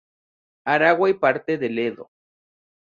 Aragua y parte del Edo.